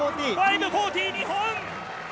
５４０、２本。